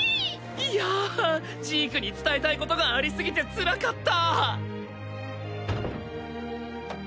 いやジークに伝えたいことがあり過ぎてつらかった！